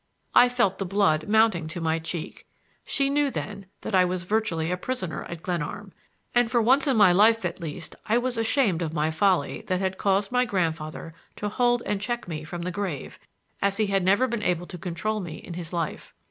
I felt the blood mounting to my cheek. She knew, then, that I was virtually a prisoner at Glenarm, and for once in my life, at least, I was ashamed of my folly that had caused my grandfather to hold and check me from the grave, as he had never been able to control me in his life.